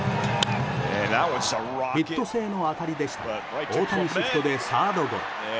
ヒット性の当たりでしたが大谷シフトでサードゴロ。